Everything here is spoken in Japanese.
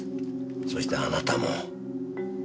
そしてあなたも。